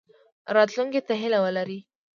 راتلونکي ته هیله ولرئ